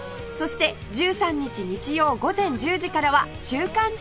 そして１３日日曜午前１０時からは『週刊！